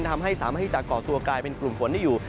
ทำให้สามารถที่จะก่อตัวกลายเป็นกลุ่มฝนได้อยู่